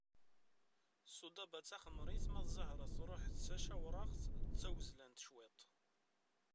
Sudaba d taxemrit ma d zahra truḥ d tacawraɣt d tawezlant cwiṭ.